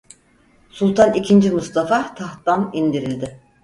Sultan ikinci Mustafa tahttan indirildi.